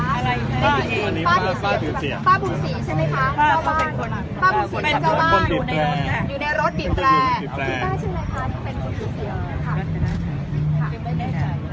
หรือว่าใช่ไหมค่ะ